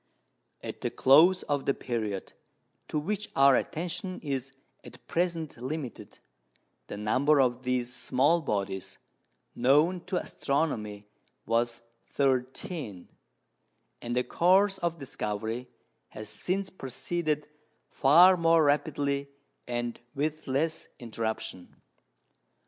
At the close of the period to which our attention is at present limited, the number of these small bodies known to astronomy was thirteen; and the course of discovery has since proceeded far more rapidly and with less interruption.